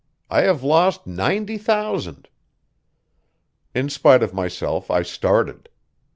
"I have lost ninety thousand." In spite of myself I started.